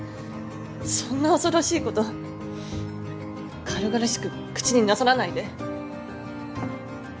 そんな恐ろしいこと軽々しく口になさらないで。